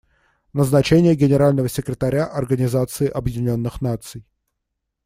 Назначение Генерального секретаря Организации Объединенных Наций.